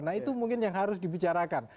nah itu mungkin yang harus dibicarakan